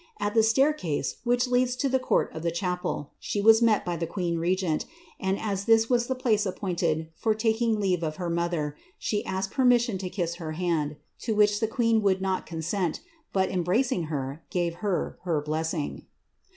At the staircase which leads to the court of the chapel, she was met by the queen rcgont, and as this was the place appointed for taking leave of her mother, she asked permission to kiss her hand, to which the qneca would not consent, but, embracing her, gave her her blessing.'